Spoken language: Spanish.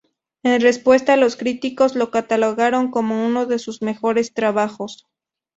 En respuesta, los críticos lo catalogaron como uno de sus mejores trabajos.